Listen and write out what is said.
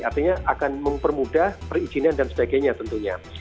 artinya akan mempermudah perizinan dan sebagainya tentunya